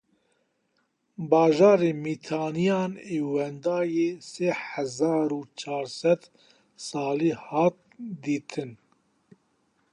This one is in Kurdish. Bajarê Mîtaniyan ê wenda yê sê hezar û çar sed salî hat dîtin.